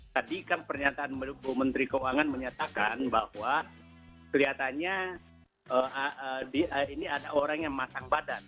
tadi kan pernyataan bumn menyatakan bahwa kelihatannya ini ada orang yang masang badan